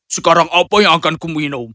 sekarang apa yang akan kuminum